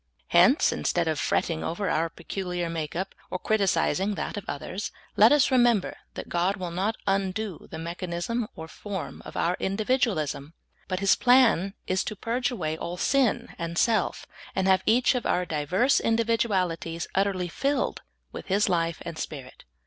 Hence, instead of fretting over our peculiar make up, or criticising that of others, let us remember that God will not undo the mechanism or form of our individualism, but His plan is to purge away all sin and self, and have each of our diverse individualities ut terly filled with His life and Spirit.